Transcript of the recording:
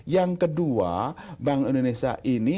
yang kedua bank indonesia ini